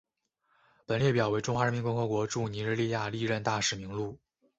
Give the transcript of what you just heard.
本列表为中华人民共和国驻尼日利亚历任大使名录。